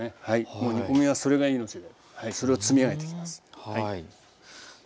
もう煮込みはそれが命でそれを積み上げていきます。